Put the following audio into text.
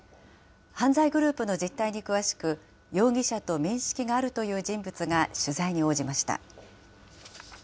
犯罪グループの実態に詳しく、容疑者と面識があるという人物が取材に応じました。